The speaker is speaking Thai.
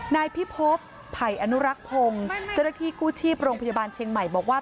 นายพิพบไผ่อนุรักษ์พงศ์เจ้าหน้าที่กู้ชีพโรงพยาบาลเชียงใหม่บอกว่า